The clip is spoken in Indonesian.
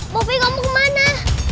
popi kamu kemana